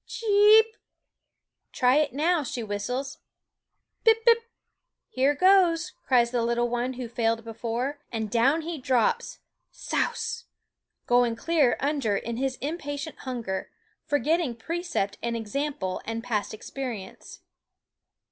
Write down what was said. Cheeeep! "try it now," she whistles. Pip, pip !" here goes !" cries the little one who failed before ; and down he drops, souse! going clear under in his impatient hunger, forgetting precept and example and past experience.